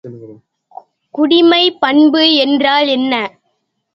குடிமைப் பண்பு என்றால் என்ன?